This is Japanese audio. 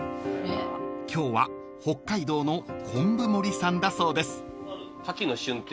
［今日は北海道の昆布森産だそうです］